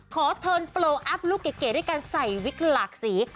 เทิร์นโปรอัพลูกเก๋ด้วยการใส่วิกหลากสี